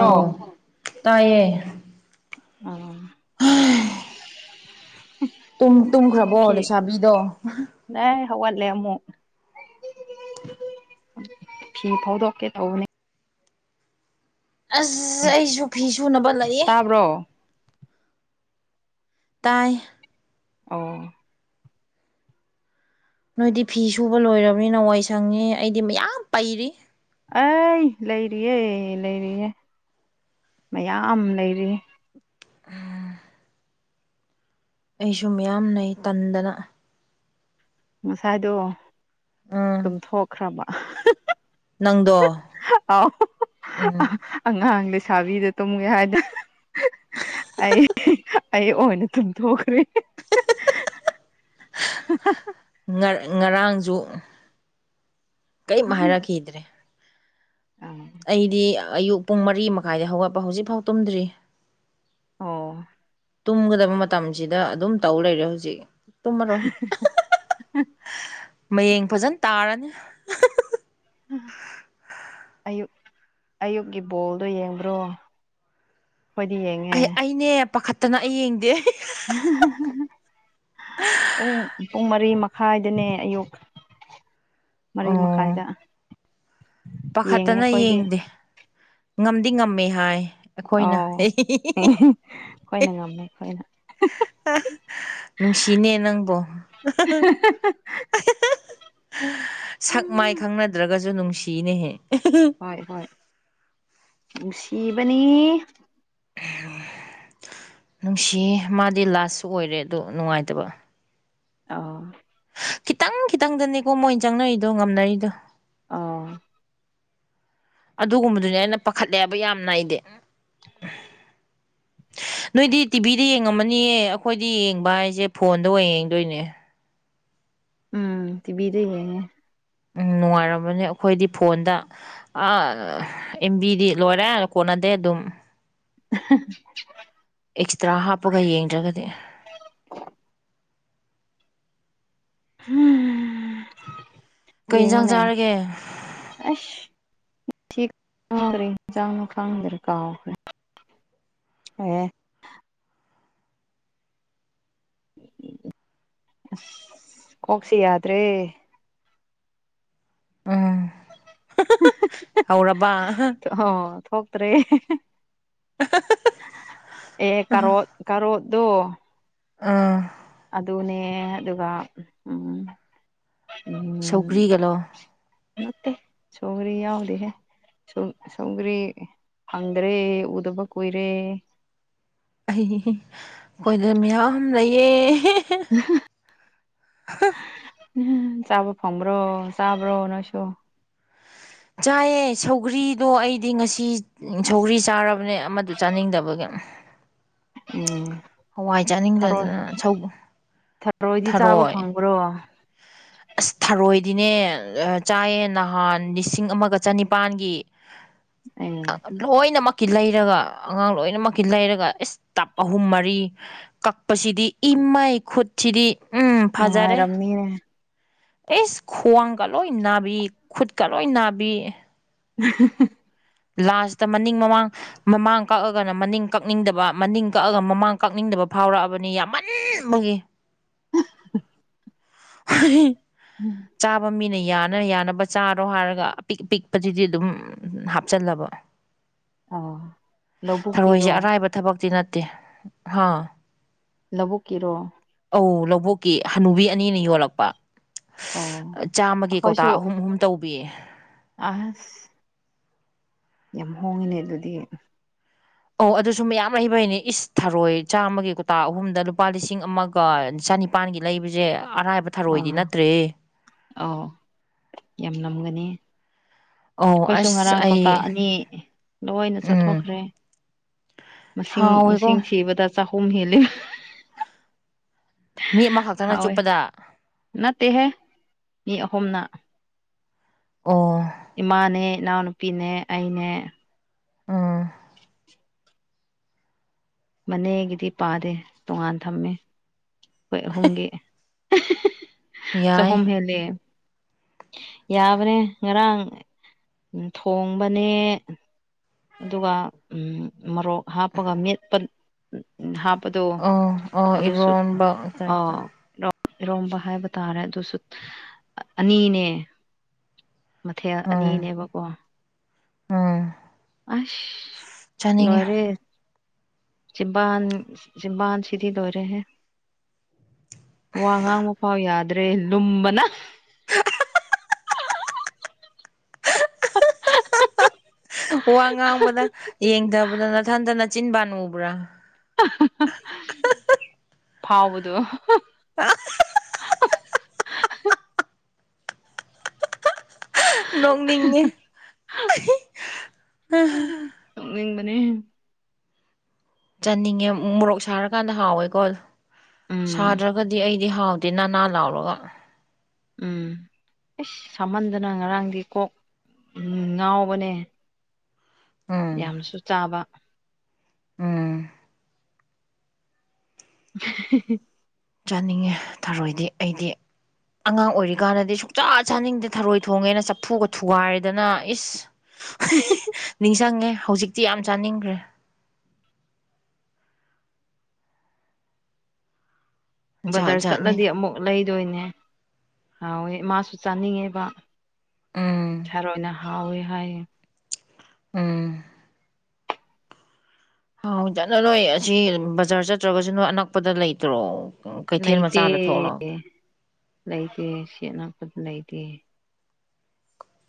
ꯑꯥꯎ ꯇꯥꯏꯌꯦ ꯑꯥ [unintelligible] ꯇꯨꯝ ꯇꯨꯝꯈ꯭ꯔꯕꯣ ꯂꯩꯁꯥꯕꯤꯗꯣ ꯅꯦ ꯍꯧꯒꯠꯂꯦ ꯑꯃꯨꯛ ꯐꯤ ꯐꯧꯗꯣꯛꯀꯦ ꯊꯧꯕꯅꯦ ꯑꯁ ꯑꯩꯁꯨ ꯐꯤ ꯁꯨꯅꯕ ꯂꯩ ꯇꯥꯕ꯭ꯔꯣ ꯇꯥꯏ ꯑꯣ ꯅꯣꯏꯗꯤ ꯐꯤ ꯁꯨꯕ ꯂꯣꯏꯔꯕꯅꯤꯅ ꯋꯥꯏ ꯁꯪꯉꯦ ꯑꯩꯗꯤ ꯃꯌꯥꯝ ꯄꯩꯔꯤ ꯑꯩ ꯂꯩꯔꯤꯌꯦ ꯂꯩꯔꯤꯌꯦ ꯃꯌꯥꯝ ꯂꯩꯔꯤꯌꯦ ꯎꯝ ꯑꯩꯁꯨ ꯃꯌꯥꯝ ꯂꯩ ꯇꯟꯗꯅ ꯉꯁꯥꯏꯗꯣ ꯎꯝ ꯇꯨꯝꯊꯣꯛꯈ꯭ꯔꯕ ꯅꯪꯗꯣ ꯑꯥꯎ ꯎꯝ ꯑꯥ ꯑꯉꯥꯡ ꯂꯩꯁꯥꯕꯤꯗ ꯇꯨꯝꯒꯦ ꯍꯥꯏꯗ ꯑꯩ ꯑꯩ ꯑꯣꯏꯅ ꯇꯨꯝꯊꯣꯛꯈ꯭ꯔꯦ ꯍꯥꯍꯥ ꯉꯔ ꯉꯔꯥꯡꯖꯨ ꯀꯩꯝ ꯍꯥꯏꯔꯛꯈꯤꯗ꯭ꯔꯦ ꯑꯩꯗꯤ ꯑꯌꯨꯛ ꯄꯨꯡ ꯃꯔꯤ ꯃꯈꯥꯏꯗ ꯍꯧꯒꯠꯄ ꯍꯧꯖꯤꯛꯐꯥꯎ ꯇꯨꯝꯗ꯭ꯔꯤ ꯑꯣ ꯇꯨꯝꯒꯗꯕ ꯃꯇꯝꯁꯤꯗ ꯑꯗꯨꯝ ꯇꯧ ꯂꯩꯔꯦ ꯍꯧꯖꯤꯛ ꯇꯨꯝꯃꯔꯣꯏ ꯃꯌꯦꯡ ꯐꯖꯅ ꯇꯥꯔꯅꯤ ꯎꯝ ꯌꯨꯝ ꯑꯌꯨꯛꯀꯤ ꯕꯣꯜꯗꯣ ꯌꯦꯡꯕ꯭ꯔꯣ ꯑꯩꯈꯣꯏꯗꯤ ꯌꯦꯡꯉꯤ ꯑꯩ ꯑꯩꯅꯦ ꯄꯥꯈꯠꯇꯅ ꯑꯩ ꯌꯦꯡꯗꯦ [unintelligible] ꯄꯨꯡ ꯄꯨꯡ ꯃꯔꯤ ꯃꯈꯥꯏꯗꯅꯦ ꯑꯌꯨꯛ ꯃꯔꯤ ꯑꯣ ꯃꯈꯥꯏꯗ ꯌꯦꯡꯉꯦ ꯄꯥꯈꯠꯇꯅ ꯑꯩꯈꯣꯏꯗꯤ ꯌꯦꯡꯗꯦ ꯉꯝꯗꯤ ꯉꯝꯃꯦ ꯍꯥꯏ ꯑꯩꯈꯣꯏꯅ [unintelligible] ꯑꯈꯣꯏꯅ ꯉꯝꯃꯦ ꯑꯈꯣꯏꯅ ꯑꯥ ꯅꯨꯡꯁꯤꯅꯦ ꯅꯪꯕꯣ ꯁꯛ ꯃꯥꯏ ꯈꯪꯅꯗ꯭ꯔꯒꯁꯨ ꯅꯨꯡꯁꯤꯅꯦꯍꯦ ꯍꯣꯏ ꯍꯣꯏ ꯅꯨꯡꯁꯤꯕꯅꯤ ꯅꯨꯡꯁꯤꯌꯦ ꯃꯥꯗꯤ ꯂꯥꯁꯁꯨ ꯑꯣꯏꯔꯦ ꯑꯗꯣ ꯅꯨꯡꯉꯥꯏꯇꯕ ꯑ ꯇꯪ ꯈꯤꯇꯪꯗꯅꯦꯀꯣ ꯃꯣꯏꯅ ꯆꯪꯅꯔꯤꯗꯣ ꯉꯝꯅꯔꯤꯗꯣ ꯑꯥ ꯑꯗꯨꯒꯨꯝꯕꯗꯨꯅꯦ ꯑꯩꯅ ꯄꯥꯈꯠꯂꯦꯕ ꯌꯥꯝꯅ ꯅꯩꯗꯤ [inaudible] [unintelligible] ꯅꯣꯏꯗꯤ ꯇꯤꯚꯤꯗ ꯌꯦꯡꯉꯝꯃꯅꯤꯌꯦ ꯑꯈꯣꯏꯗꯤ ꯌꯦꯡꯕ ꯍꯥꯏꯁꯦ ꯐꯣꯟꯗ ꯑꯣꯏꯅ ꯌꯦꯡꯗꯣꯏꯅꯦ ꯎꯝ ꯇꯤꯕꯤꯗ ꯌꯦꯡꯉꯦ ꯎꯝ ꯅꯨꯡꯉꯥꯏꯔꯝꯃꯅꯦ ꯑꯈꯣꯏꯗꯤ ꯐꯣꯟꯗ ꯑꯥ ꯑꯦꯝ ꯕꯤꯗꯤ ꯂꯣꯏꯔꯦ ꯀꯣꯟꯅꯗꯦ ꯑꯗꯨꯝ [unintelligible] ꯑꯦꯛꯁꯇ꯭ꯔꯥ ꯍꯥꯞꯄꯒ ꯌꯦꯡꯗ꯭ꯔꯒꯗꯤ ꯎꯝ ꯀꯩ ꯏꯟꯁꯥꯡ ꯌꯦꯉꯣꯅꯦ ꯆꯥꯔꯒꯦ ꯑꯁ ꯊꯤꯛ [inaudible] ꯔꯤ ꯏꯟꯁꯥꯡꯅꯣ ꯈꯪꯗꯔꯦ ꯀꯥꯎꯈ꯭ꯔꯦ ꯑꯦ ꯑꯁ ꯀꯣꯛꯁꯦ ꯌꯥꯗ꯭ꯔꯦ ꯎꯝ ꯍꯧꯔꯕ ꯍꯣ ꯊꯣꯛꯇ꯭ꯔꯦ ꯑꯦ ꯀꯥꯔꯣꯠ ꯀꯥꯔꯣꯠꯗꯣ ꯑꯥ ꯑꯗꯨꯅꯦ ꯑꯗꯨꯒ ꯎꯝ ꯎꯝ ꯁꯧꯒ꯭ꯔꯤꯒꯂꯣ ꯅꯠꯇꯦ ꯁꯧꯒꯔꯤ ꯌꯥꯎꯗꯦꯍꯦ ꯁꯧ ꯁꯧꯒ꯭ꯔꯤ ꯐꯪꯗ꯭ꯔꯦ ꯎꯗꯕ ꯀꯨꯏꯔꯦ ꯈꯣꯏꯗ ꯃꯌꯥꯝ ꯂꯩꯌꯦ [unintelligible] ꯆꯥꯕ ꯐꯪꯕ꯭ꯔꯣ ꯆꯥꯕ꯭ꯔꯣ ꯅꯣꯏꯁꯨ ꯆꯥꯏꯌꯦ ꯁꯧꯒ꯭ꯔꯤꯗꯣ ꯑꯩꯗꯤ ꯉꯁꯤ ꯑꯁ ꯁꯧꯒ꯭ꯔꯤ ꯆꯥꯔꯕꯅꯦ ꯑꯃꯗꯨ ꯆꯥꯅꯤꯡꯗꯕꯒꯤ ꯎꯝ ꯍꯋꯥꯏ ꯊꯔꯣꯏ ꯆꯥꯅꯤꯡꯗꯗꯅ ꯁꯧ ꯊꯔꯣꯏꯗꯤ ꯆꯥꯕ ꯊꯔꯣꯏ ꯐꯪꯕ꯭ꯔꯣ ꯑꯁ ꯊꯔꯣꯏꯗꯤꯅꯦ ꯆꯥꯏꯌꯦ ꯅꯍꯥꯟ ꯂꯤꯁꯤꯡ ꯑꯃꯒ ꯆꯅꯤꯄꯥꯟꯒꯤ ꯎꯝ ꯂꯣꯏꯅꯃꯛꯀꯤ ꯂꯩꯔꯒ ꯑꯉꯥꯡ ꯂꯣꯏꯅꯃꯛꯀꯤ ꯂꯩꯔꯒ ꯑꯦꯁ ꯇꯕ ꯑꯍꯨꯝ ꯃꯔꯤ ꯀꯛꯄꯁꯤꯗꯤ ꯏꯃꯥꯏ ꯈꯨꯠꯁꯤꯗꯤ ꯎꯝ ꯅꯨꯡꯉꯥꯏꯔꯝꯅꯤꯌꯦ ꯏꯁ ꯈꯨꯋꯥꯡꯒ ꯂꯣꯏ ꯅꯥꯕꯤ ꯈꯨꯠꯀ ꯂꯣꯏ ꯅꯥꯕꯤ [unintelligible] ꯂꯥꯁꯇ ꯃꯅꯤꯡ ꯃꯃꯥꯡ ꯃꯃꯥꯡ ꯀꯛꯑꯒꯅ ꯃꯅꯤꯡ ꯀꯛꯅꯤꯡꯗꯕ ꯃꯅꯤꯡ ꯀꯛꯑꯒ ꯃꯃꯥꯡ ꯀꯛꯅꯤꯡꯗꯕ ꯐꯥꯎꯔꯛꯑꯕꯅꯤ ꯌꯥꯝꯃꯟ [unintelligible] ꯕꯡꯒꯤ ꯎꯝ ꯍꯦ ꯍꯦ ꯎꯝ ꯆꯥꯕ ꯃꯤꯅ ꯌꯥꯅ ꯌꯥꯅꯕ ꯆꯥꯔꯣ ꯍꯥꯏꯔꯒ ꯑꯄꯤꯛ ꯑꯄꯤꯛꯄꯁꯤꯗꯤ ꯑꯗꯨꯝ ꯍꯥꯞ ꯆꯜꯂꯕ ꯑꯣ ꯊꯔꯣꯏꯁꯦ ꯂꯧꯕꯨꯛꯀꯤꯔꯣ ꯑꯔꯥꯏꯕ ꯊꯕꯛꯇꯤ ꯅꯠꯇꯦ ꯍꯥ ꯂꯧꯕꯨꯛꯀꯤꯔꯣ ꯑꯧ ꯂꯧꯕꯨꯛꯀꯤ ꯍꯅꯨꯕꯤ ꯑꯅꯤꯅ ꯌꯣꯜꯂꯛꯄ꯫ ꯑꯣ ꯆꯥꯝꯃꯒꯤ ꯀꯧꯇꯥ ꯑꯩꯈꯣꯏꯁꯨ ꯑꯍꯨꯝ ꯑꯍꯨꯝ ꯇꯧꯕꯤ꯫ ꯑꯁ ꯌꯥꯝ ꯍꯣꯡꯉꯤꯅꯦ ꯑꯗꯨꯗꯤ꯫ ꯑꯧ ꯑꯗꯨꯁꯨ ꯃꯌꯥꯝ ꯂꯩꯩꯕꯩꯅꯦ ꯏꯁ ꯊꯔꯣꯏ ꯆꯥꯝꯃꯒꯤ ꯀꯧꯇꯥ ꯑꯍꯨꯝꯗ ꯂꯨꯄꯥ ꯂꯤꯁꯤꯡ ꯑꯃ ꯒ ꯆꯅꯤꯄꯥꯥꯟꯒꯤ ꯂꯩꯕꯁꯦ ꯑꯔꯥꯏꯕ ꯊꯔꯣꯏꯗꯤ ꯅꯠꯇ꯭ꯔꯦꯍꯦ꯫ ꯑꯥꯎ ꯌꯥꯝ ꯃꯝꯒꯅꯤ ꯑꯧ ꯑꯩꯈꯣꯏꯁꯨ ꯑꯁ ꯉꯔꯥꯡ ꯀꯧꯇꯥ ꯑꯩ ꯑꯅꯤ ꯂꯣꯏꯅ ꯎꯝ ꯆꯥꯊꯣꯛꯈ꯭ꯔꯦ꯫ ꯃꯁꯤꯡ ꯍꯥꯎꯋꯦꯀꯣ ꯃꯁꯤꯡ ꯊꯤꯕꯗ ꯆꯍꯨꯝ ꯍꯦꯜꯂꯦ ꯃꯤ ꯑꯃꯈꯛ ꯍꯥꯎꯋꯦ ꯅꯠꯇꯦꯍꯦ ꯃꯤ ꯑꯍꯨꯝꯅ ꯑꯣ ꯏꯃꯥꯅꯦ, ꯏꯅꯥꯎꯅꯨꯄꯤꯅꯦ, ꯑꯩꯅꯦ꯫ ꯑꯥ ꯃꯅꯦꯒꯤꯗꯤ ꯄꯥꯗꯦ ꯇꯣꯉꯥꯟ ꯊꯝꯃꯦ꯫ ꯑꯈꯣꯏ ꯑꯍꯨꯝꯒꯤ ꯌꯥꯏ ꯆꯍꯨꯝ ꯍꯦꯜꯂꯦ꯫ ꯌꯥꯕꯅꯦ ꯉꯔꯥꯡ ꯊꯣꯡꯕꯅꯦ ꯑꯗꯨꯒ ꯎꯝ ꯃꯣꯔꯣꯛ ꯍꯥꯞꯄꯒ ꯃꯦꯠꯄ ꯍꯥꯞꯄꯗꯣ ꯑꯣ ꯑꯣ ꯑꯗꯨꯁꯨ ꯏꯔꯣꯟꯕ ꯑꯧ ꯔꯣ ꯏꯔꯣꯝꯕ ꯍꯥꯏꯕ ꯇꯥꯔꯦ ꯑꯗꯨꯁꯨ ꯑꯅꯤꯅꯦ ꯃꯊꯦꯜ ꯎꯝ ꯑꯅꯤꯅꯦꯕꯀꯣ ꯎꯝ ꯑꯁ ꯆꯥꯅꯤꯡꯉꯦ ꯂꯣꯢꯔꯦ ꯆꯤꯝꯕꯥꯥꯟ ꯆꯤꯝꯕꯥꯥꯟ ꯁꯤꯗꯤ ꯗꯣꯔꯦ ꯍꯦ ꯋꯥ ꯉꯥꯡꯕ ꯐꯥꯎ ꯌꯥꯗ꯭ꯔꯦ ꯂꯨꯝꯕꯅ ꯋꯥ ꯉꯥꯡꯕꯗ ꯌꯦꯡꯗꯕꯗ ꯅꯊꯟꯇ ꯅꯆꯤꯟꯕꯥꯟ ꯎꯕ꯭ꯔꯥ? ꯐꯥꯎꯕꯗꯣ꯫ [unintelligible] ꯅꯣꯡꯅꯤꯡꯉꯦ ꯅꯣꯛꯅꯤꯡꯕꯅꯦ ꯆꯥꯅꯤꯡꯉꯦ ꯃꯣꯔꯣꯛ ꯁꯥꯔꯀꯥꯟꯗ ꯍꯥꯎꯋꯦꯀꯣ꯫ ꯎꯝ ꯁꯥꯗ꯭ꯔꯒꯗꯤ ꯑꯩꯗꯤ ꯍꯥꯎꯗꯦ ꯅꯥꯟꯅꯥꯟ ꯂꯥꯎꯔꯒ꯫ ꯎꯝ ꯎꯁ ꯁꯥꯃꯟꯗꯅ ꯉꯔꯥꯡꯗꯤ ꯀꯣꯛ ꯉꯥꯎꯕꯅꯦ꯫ ꯑ ꯌꯥꯝꯁꯨ ꯆꯥꯕ ꯎꯝ ꯆꯥꯅꯤꯡꯉꯦ ꯊꯔꯣꯏꯗꯤ ꯑꯩꯗꯤ꯫ ꯑꯉꯥꯡ ꯑꯣꯏꯔꯤꯀꯥꯟꯗꯗꯤ ꯁꯨꯡꯆꯥ ꯆꯥꯅꯤꯡꯗꯦ ꯊꯔꯣꯏ ꯊꯣꯡꯉꯦꯅ ꯆꯐꯨꯒ ꯊꯨꯒꯥꯏꯗꯅ ꯏꯁ ꯅꯤꯡꯁꯡꯉꯦ ꯍꯧꯖꯤꯛꯇꯤ ꯌꯥꯝ ꯆꯥꯅꯤꯡꯒ꯭ꯔꯦ ꯖꯥꯠ ꯕꯖꯥꯔ ꯖꯥꯠꯅꯤ ꯆꯠꯂꯗꯤ ꯑꯃꯨꯛ ꯂꯩꯗꯣꯏꯅꯦ ꯍꯥꯎꯋꯦ ꯃꯥꯁꯨ ꯆꯥꯅꯤꯡꯉꯦꯕ ꯎꯝ ꯊꯔꯣꯢꯅ ꯍꯥꯎꯋꯦ ꯍꯥꯏꯌꯦ ꯎꯝ ꯍꯥꯎꯖꯠꯅ ꯂꯣꯏ ꯑꯁꯤ ꯕꯖꯥꯔ ꯆꯠꯇ꯭ꯔꯒꯖꯨ ꯅꯣꯏ ꯑꯅꯛꯄꯗ ꯂꯩꯇ꯭ꯔꯣ ꯀꯩꯊꯦꯜ ꯂꯩꯇꯦ ꯃꯆꯥꯗ ꯊꯣꯛꯂꯛꯑꯣ ꯂꯩꯇꯦ ꯁꯦꯠꯅꯛꯄꯗ ꯂꯩꯇꯦ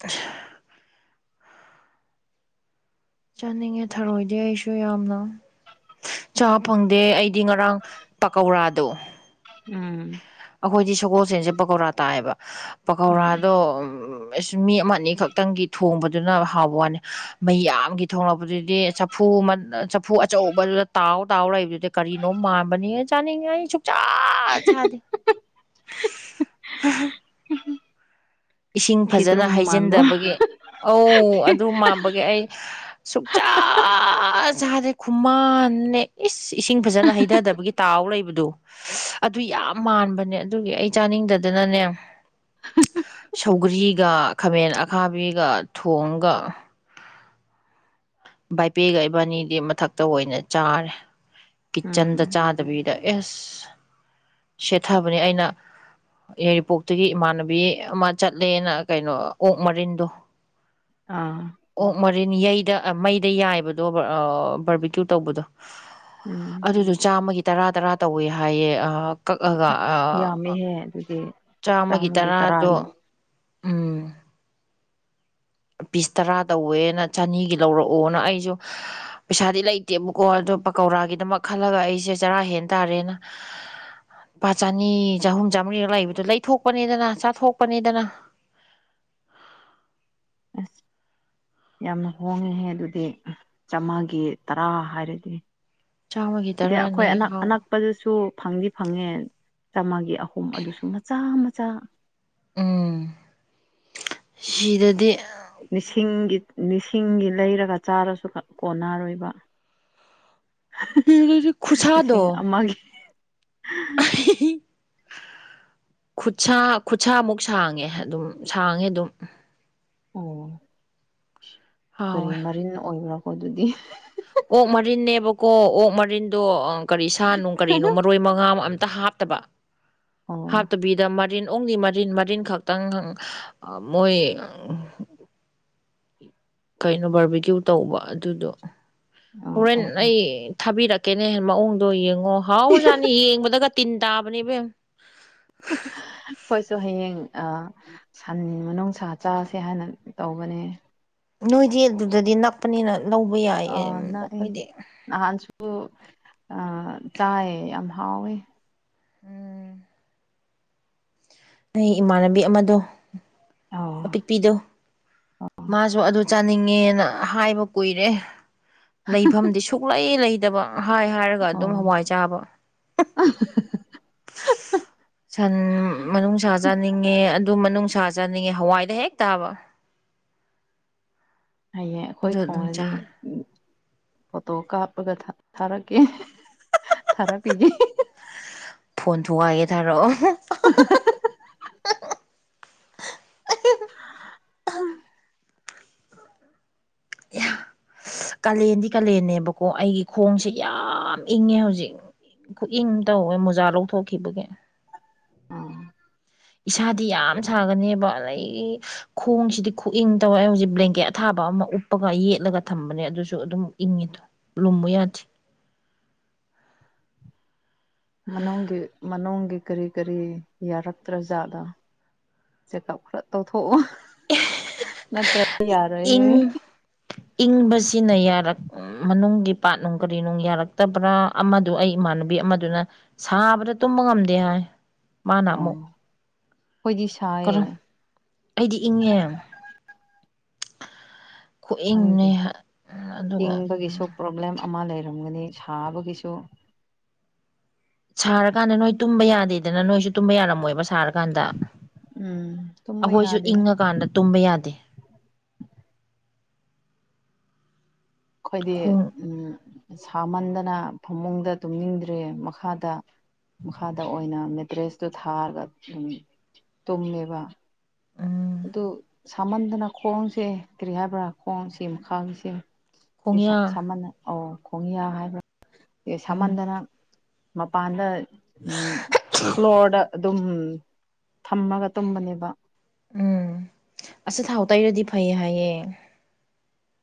ꯑꯁ ꯆꯥꯅꯤꯡꯉꯦ ꯊꯔꯣꯏꯗꯤ ꯑꯩꯁꯨ ꯌꯥꯝꯅ ꯆꯥ ꯐꯪꯗꯦ ꯑꯩꯗꯤ ꯉꯔꯥꯡ ꯄꯀꯧꯔꯥꯗꯣ ꯎꯝ ꯑꯈꯣꯏꯗꯤ ꯁꯒꯣꯜꯁꯦꯟꯖꯦ ꯄꯀꯧꯔꯥ ꯇꯥꯏꯑꯕ ꯎꯝ ꯄꯀꯧꯔꯥꯗꯣ ꯑꯁ ꯃꯤ ꯑꯃ ꯑꯅꯤ ꯈꯛꯇꯪꯒꯤ ꯊꯣꯡꯕꯗꯨꯅ ꯍꯥꯎꯕ ꯋꯥꯅꯦ ꯃꯩꯌꯥꯝꯒꯤ ꯊꯣꯡꯔꯛꯄꯗꯨꯗꯤ ꯆꯞ ꯐꯨꯃꯟ ꯆꯐꯨ ꯑꯆꯧꯕꯗꯨꯗ ꯇꯥꯎ ꯇꯥꯎ ꯔꯩꯕꯤꯠ ꯀꯔꯤꯅꯣꯝ ꯃꯥꯟꯕꯅꯦ ꯆꯥꯅꯤꯡꯉꯦ ꯑꯩ ꯁꯨꯛꯆꯥ ꯆꯥꯗꯦ ꯏꯁꯤꯡ ꯐꯖꯅ ꯊꯤꯗ꯭ꯔꯨꯝ ꯃꯥꯟꯕ ꯍꯩꯖꯤꯟꯗꯕꯒꯤ ꯑꯧ ꯑꯗꯨ ꯃꯥꯟꯕꯒꯤ ꯑꯩ ꯁꯨꯛꯆꯥ ꯆꯗꯦ ꯈꯨꯃꯥꯟꯅꯦ ꯏꯁ ꯏꯁꯤꯡ ꯐꯖꯅ ꯍꯩꯗ ꯗꯕꯒꯤ ꯇꯥꯎ ꯂꯩꯕꯗꯣ ꯑꯗꯨ ꯌꯥꯝ ꯃꯥꯟꯕꯅꯦ ꯑꯗꯨꯒꯤ ꯑꯩ ꯆꯥꯅꯤꯡꯗꯗꯅꯅꯦ [unintelligible] ꯁꯧꯒ꯭ꯔꯤꯒ ꯈꯥꯃꯦꯟ ꯑꯈꯥꯕꯤꯒ ꯊꯣꯡꯉꯒ ꯕꯥꯏꯄꯦꯒ ꯏꯕꯥꯅꯤꯗꯤ ꯃꯊꯛꯇ ꯑꯣꯏꯅ ꯆꯥꯔꯦ ꯀꯤꯠꯆꯟꯗ ꯎꯝ ꯆꯥ ꯇꯕꯤꯗ ꯑꯦꯁ ꯁꯦꯠꯊꯕꯅꯦ ꯑꯩꯅ ꯌꯥꯏꯔꯤꯄꯣꯛꯇꯒꯤ ꯏꯃꯥꯟꯅꯕꯤ ꯑꯃ ꯆꯠꯂꯦꯅ ꯀꯩꯅꯣ ꯑꯣꯛ ꯃꯔꯤꯟꯗꯣ ꯑꯥ ꯑꯣꯛ ꯃꯣꯔꯦꯟ ꯌꯩꯗ ꯑ ꯃꯩꯗ ꯌꯥꯏꯕꯗꯣ ꯑꯥ ꯕꯔꯕꯤꯀꯤꯜꯄ ꯇꯧꯕꯗꯣ ꯎꯝ ꯗꯨꯗꯣ ꯆꯥꯝꯃꯒꯤ ꯇꯔꯥ ꯇꯔꯥ ꯇꯧꯋꯦ ꯍꯥꯏꯌꯦ ꯑꯥ ꯀꯛꯑꯒ ꯑ ꯑꯦ ꯑꯗꯨꯗꯤ ꯆꯥꯝꯃꯒꯤ ꯇꯔꯥꯗꯣ ꯎꯝ ꯄꯤꯁ ꯇꯔꯥ ꯇꯧꯋꯦꯅ ꯆꯅꯤꯒꯤ ꯂꯧꯔꯛꯑꯣꯅ ꯑꯩꯖꯨ ꯄꯩꯁꯥꯗꯤ ꯂꯩꯇꯦꯕꯀꯣ ꯑꯗꯣ ꯄꯀꯧꯔꯥꯒꯤꯗꯃꯛ ꯈꯜꯂꯒ ꯑꯩꯁꯦ ꯆꯔꯥ ꯍꯦꯟ ꯇꯥꯔꯦꯅ ꯄꯥ ꯆꯅꯤ ꯆꯍꯨꯝ ꯆꯥꯝꯃꯔꯤꯒ ꯂꯩꯕꯗꯣ ꯂꯩꯊꯣꯛꯄꯅꯤꯗꯅ ꯆꯥꯊꯣꯛꯄꯅꯤꯗꯅ ꯑꯁ ꯌꯥꯝꯅ ꯍꯣꯡꯉꯦꯍꯦ ꯑꯗꯨꯗꯤ ꯆꯥꯝꯃꯒꯤ ꯇꯔꯥ ꯍꯥꯏꯔꯗꯤ ꯆꯥꯝꯃꯒꯤ ꯁꯤꯗꯦ ꯑꯈꯣꯏ ꯇꯔꯥꯅꯤ ꯑꯅꯛ ꯑꯅꯛ ꯄꯗꯨꯁꯨ ꯐꯪꯗꯤ ꯐꯪꯉꯦ ꯆꯥꯝꯃꯒꯤ ꯑꯍꯨꯝ ꯑꯗꯨꯁꯨ ꯃꯆꯥ ꯃꯆꯥ ꯎꯝ ꯁꯤꯗꯗꯤ ꯂꯤꯁꯤꯡꯒꯤ ꯂꯤꯁꯤꯡꯒꯤ ꯂꯩꯔꯒ ꯆꯥꯔꯁꯨ ꯀꯣꯟꯅꯔꯣꯏꯕ ꯁꯤꯗꯗꯤ ꯂꯤꯁꯤꯡ ꯈꯨꯠꯁꯥꯗꯣ ꯑꯃꯒꯤ [unintelligible] ꯈꯨꯠꯁꯥ ꯈꯨꯠꯁꯥꯃꯨꯛ ꯁꯥꯡꯉꯦ ꯑꯗꯨꯝ ꯁꯥꯡꯉꯦ ꯑꯗꯨꯝ ꯑꯣ ꯀꯔꯤ ꯍꯥꯎꯋꯦ ꯃꯔꯤꯟ ꯑꯣꯏꯕ꯭ꯔꯥꯀꯣ ꯑꯗꯨꯗꯤ ꯑꯣꯛ ꯃꯔꯤꯟꯅꯦꯕꯀꯣ ꯑꯣꯛ ꯃꯔꯤꯟꯗꯣ ꯑ ꯀꯔꯤ ꯁꯥꯅꯣꯡ ꯀꯔꯤꯅꯣ ꯃꯔꯣꯏ ꯃꯉꯥꯝ ꯑꯝꯇ ꯍꯥꯞ ꯇꯕ ꯑꯣ ꯍꯞꯇꯕꯤꯗ ꯃꯠ ꯔꯤꯟ ꯑꯣꯡꯒꯤ ꯃꯔꯤꯟ ꯃꯔꯤꯟ ꯈꯛꯇꯪ ꯑ ꯃꯣꯏ ꯀꯩꯅꯣ ꯕꯔꯕꯤꯀ꯭ꯌꯨ ꯇꯧꯕ ꯑꯗꯨꯗꯣ ꯑꯣ ꯍꯣꯔꯦꯟ ꯑꯣ ꯑꯣ ꯑꯩ ꯊꯥꯕꯤꯔꯛ ꯀꯦꯅꯦ ꯃꯑꯣꯡꯗꯣ ꯌꯦꯡꯉꯣ ꯍꯥꯎꯒꯔꯖꯥꯠꯅꯤ ꯌꯦꯡꯕꯗꯒ ꯇꯤꯟ ꯇꯥꯕꯅꯤ ꯏꯕꯦꯝ [unintelligible] ꯈꯣꯏꯁꯨ ꯍꯌꯦꯡ ꯑ ꯁꯟ ꯃꯅꯨꯡꯁꯥ ꯆꯥꯥꯁꯦ ꯍꯥꯏꯅ ꯇꯧꯕꯅꯦ ꯅꯣꯏꯗꯤ ꯑꯗꯨꯗꯗꯤ ꯅꯛꯄꯅꯤꯅ ꯂꯧꯕ ꯌꯥꯏ ꯑ ꯅꯛꯑꯦ ꯅꯍꯥꯟꯁꯨ ꯑ‌ ꯆꯥꯏꯌꯦ ꯌꯥꯝ ꯍꯥꯎꯋꯦ ꯎꯝ ꯑꯩ ꯏꯃꯥꯟꯅꯕꯤ ꯑꯃꯗꯣ ꯑꯧ ꯑꯄꯤꯛꯄꯤꯗꯣ ꯃꯥꯁꯨ ꯑꯗꯨ ꯆꯥꯅꯤꯡꯉꯦꯅ ꯍꯥꯏꯕ ꯀꯨꯏꯔꯦ ꯂꯩꯐꯝꯗꯤ ꯁꯨꯛꯂꯩ ꯂꯩꯇꯕ ꯍꯥꯏ ꯍꯥꯏꯔꯒ ꯑꯣ ꯑꯗꯨꯝ ꯍꯋꯥꯏ ꯆꯥꯕ [unintelligible] ꯁꯟ ꯃꯅꯨꯡ ꯁꯥ ꯆꯥꯅꯤꯡꯉꯦ ꯑꯗꯨ ꯃꯅꯨꯡ ꯁꯥ ꯆꯥꯅꯤꯡꯉꯦ ꯍꯋꯥꯏꯗ ꯍꯦꯛ ꯇꯥꯕ ꯍꯩꯌꯦꯡ ꯑꯩꯈꯣꯏ ꯑꯗꯨ ꯑꯗꯨꯝ ꯊꯣꯡꯔꯗꯤ ꯆꯥꯔꯦ ꯐꯣꯇꯣ ꯀꯥꯞꯄꯒ ꯊ ꯊꯥꯔꯛꯀꯦ ꯊꯥꯔꯛꯄꯤꯒꯦ [unintelligible] ꯐꯣꯟ ꯊꯨꯒꯥꯏꯒꯦ ꯊꯥꯔꯛꯑꯣ [unintelligible] ꯍꯝ [unintelligible] ꯀꯥꯂꯦꯟꯗꯤ ꯀꯥꯂꯦꯟꯅꯦꯕꯀꯣ ꯑꯩꯒꯤ ꯈꯣꯡꯁꯦ ꯌꯥꯝ ꯏꯪꯉꯦ ꯍꯧꯖꯤꯛ ꯈꯨꯏꯪ ꯑꯃ ꯇꯧꯋꯦ ꯃꯣꯖꯥ ꯂꯧꯊꯣꯛꯈꯤꯕꯒꯦ ꯎꯝ ꯏꯁꯥꯗꯤ ꯌꯥꯝ ꯁꯥꯒꯅꯤꯕ ꯑꯩꯒꯤ ꯈꯣꯡꯁꯤꯗꯤ ꯈꯨꯏꯪ ꯇꯧꯋꯦ ꯑꯩ ꯍꯧꯖꯤꯛ ꯕ꯭ꯂꯦꯡꯀꯦꯠ ꯑꯊꯥꯕ ꯑꯃ ꯎꯞꯄꯒ ꯌꯦꯠꯂꯒ ꯊꯝꯕꯅꯦ ꯑꯗꯨꯁꯨ ꯑꯗꯨꯝ ꯏꯪꯉꯤꯗꯣ ꯂꯨꯝꯃꯨ ꯌꯥꯗꯦ ꯃꯅꯨꯡꯒꯤ ꯃꯅꯨꯡꯒꯤ ꯀꯔꯤ ꯀꯔꯤ ꯌꯥꯔꯛꯇ꯭ꯔ ꯖꯥꯠꯂ ꯆꯦꯛꯑꯞ ꯈꯔ ꯇꯧꯊꯣꯛꯑꯣ ꯅꯠꯇ꯭ꯔꯗꯤ ꯌꯥꯔꯣꯏ ꯍꯦ ꯏꯪ ꯏꯪꯕꯁꯤꯅ ꯌꯥꯔꯛ ꯃꯅꯨꯡꯒꯤ ꯄꯥꯠ ꯅꯨꯡ ꯀꯔꯤ ꯅꯨꯡ ꯌꯥꯔꯛꯇꯕ꯭ꯔꯥ ꯑꯃꯗꯨ ꯑꯩ ꯏꯃꯥꯟꯅꯕꯤ ꯑꯃꯗꯨꯅ ꯁꯥꯕꯗ ꯇꯨꯝꯕ ꯉꯝꯗꯦ ꯍꯥꯏ ꯃꯥꯅ ꯑꯣ ꯑꯃꯨꯛ ꯑꯩꯈꯣꯏꯗꯤ ꯁꯥꯏꯌꯦ [unintelligible] ꯑꯩꯗꯤ ꯏꯪꯉꯦ ꯈꯨꯏꯪ ꯈꯪꯗꯦ ꯑꯃꯅꯦ ꯍ ꯑꯗꯨꯒ ꯏꯪꯕꯒꯤꯁꯨ ꯄ꯭ꯔꯣꯕ꯭ꯂꯦꯝ ꯑꯃ ꯂꯩꯔꯝꯒꯅꯤ ꯁꯥꯕꯒꯤꯁꯨ ꯁꯥꯔꯀꯥꯟꯗ ꯅꯣꯏ ꯇꯨꯝꯕ ꯌꯥꯗꯦꯗꯅ ꯅꯣꯏꯁꯨ ꯇꯨꯝꯕ ꯌꯥꯔꯝꯃꯣꯏꯕ ꯁꯥꯔꯀꯥꯟꯗ ꯎꯝ ꯇꯨꯝꯕ ꯑꯈꯣꯏꯁꯨ ꯌꯥꯗꯦ ꯏꯪꯉꯀꯥꯟꯗ ꯇꯨꯝꯕ ꯌꯥꯗꯦ ꯑꯈꯣꯏꯗꯤ ꯈꯣꯡ ꯎꯝ ꯁꯥꯃꯟꯗꯅ ꯐꯃꯨꯡꯗ ꯇꯨꯝꯅꯤꯡꯗ꯭ꯔꯦ ꯃꯈꯥꯗ ꯃꯈꯥꯗ ꯑꯣꯏꯅ ꯃꯦꯇ꯭ꯔꯦꯁꯇꯨ ꯊꯥꯔꯒ ꯑꯗꯨꯝ ꯇꯨꯝꯃꯦꯕ ꯎꯝ ꯑꯗꯨ ꯁꯥꯃꯟꯗꯅ ꯈꯣꯡꯁꯦ ꯀꯔꯤ ꯍꯥꯏꯕ꯭ꯔꯥ ꯈꯣꯡꯁꯤ ꯃꯈꯥꯒꯤꯁꯦ ꯏꯁꯥ ꯈꯣꯡꯌꯥ ꯁꯥꯃꯟꯅ ꯑꯣ ꯈꯣꯡꯌꯥ ꯍꯥꯏꯕ꯭ꯔꯥ ꯑꯦ ꯎꯝ ꯁꯥꯃꯟꯗꯅ ꯃꯄꯥꯟꯗ ꯎꯝ ꯐ꯭ꯂꯣꯔꯗ ꯗꯨꯝ ꯊꯝꯃꯒ ꯇꯨꯝꯕꯅꯦꯕ ꯆꯊꯥꯎ ꯇꯩꯔꯗꯤ ꯐꯩ ꯍꯥꯏꯌꯦ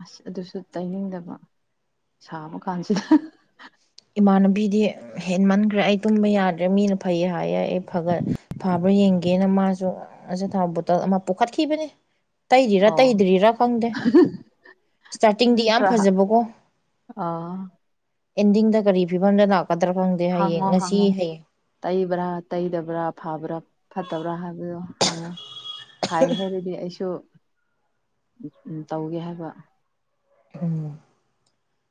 ꯑꯁ ꯑꯗꯨꯁꯨ ꯇꯩꯅꯤꯡꯗꯕ ꯁꯥꯕ ꯀꯥꯟꯁꯤꯗ ꯏꯃꯥꯟꯅꯕꯤꯗꯤ ꯍꯦꯟꯃꯟꯒ꯭ꯔꯦ ꯑꯩ ꯇꯨꯝꯕ ꯌꯥꯗ꯭ꯔꯦ ꯃꯤꯅ ꯐꯩ ꯍꯥꯏꯌꯦ ꯑꯩ ꯐꯒꯠ ꯐꯥꯕ꯭ꯔꯥ ꯌꯦꯡꯒꯦꯅ ꯃꯥꯁꯨ ꯑꯆꯥꯊꯥꯎ ꯕꯣꯇꯜ ꯑꯃ ꯄꯨꯈꯠꯈꯤꯕꯅꯦ ꯇꯩꯔꯤꯔꯥ ꯑꯣ ꯇꯩꯗ꯭ꯔꯤꯔꯥ ꯈꯪꯗꯦ ꯏꯁꯇꯥꯔꯇꯤꯡꯗꯤ ꯌꯥꯝ ꯈꯔ ꯐꯖꯕꯀꯣ ꯑꯥ ꯑꯦꯟꯗꯤꯡꯗ ꯀꯔꯤ ꯐꯤꯕꯝꯗ ꯂꯥꯛꯀꯗ꯭ꯔꯥ ꯈꯪꯗꯦ ꯍꯌꯦꯡ ꯍꯪꯉꯣ ꯉꯁꯤ ꯍꯪꯉꯣ ꯍꯌꯦꯡ ꯇꯩꯕ꯭ꯔꯥ ꯇꯩꯗꯕ꯭ꯔꯥ ꯐꯕ꯭ꯔꯥ ꯐꯠꯇꯕ꯭ꯔꯥ ꯍꯥꯏꯕꯗꯣ ꯍꯪꯉꯨ ꯐꯩ ꯍꯥꯏꯔꯗꯤ ꯑꯩꯁꯨ ꯎꯝ ꯇꯧꯒꯦ ꯍꯥꯏꯕ ꯊꯝꯃꯣ